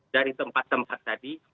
dari tempat tempat tadi